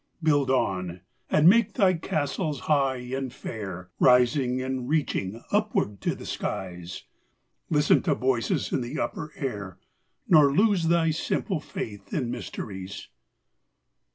Build on, and make thy castles high and fair, Rising and reaching upward to the skies; Listen to voices in the upper air, Nor lose thy simple faith in mysteries.